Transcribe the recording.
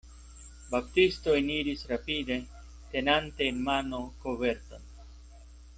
Baptisto eniris rapide, tenante en mano koverton.